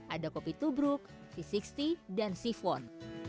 ada kopi tubruk c enam puluh dan sifon